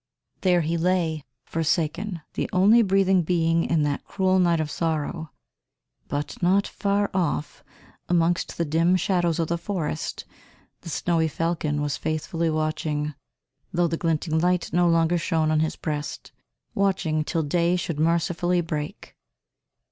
There he lay, forsaken, the only breathing being in that cruel night of sorrow. But not far off, amongst the dim shadows of the forest, the snowy falcon was faithfully watching, though the glinting light no longer shone on his breast, watching till day should mercifully break.